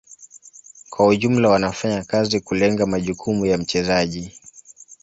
Kwa ujumla wanafanya kazi kulenga majukumu ya mchezaji.